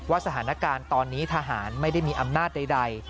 สถานการณ์ตอนนี้ทหารไม่ได้มีอำนาจใด